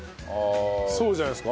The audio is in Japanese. そうじゃないですか？